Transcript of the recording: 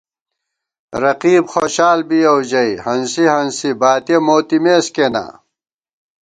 رقیب خوشال بِیَؤ ژَئی، ہنسی ہنسی باتِیَہ موتِمېس کېنا